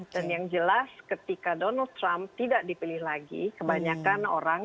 dan yang jelas ketika donald trump tidak dipilih lagi kebanyakan orang